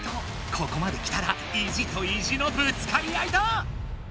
ここまで来たら意地と意地のぶつかり合いだ！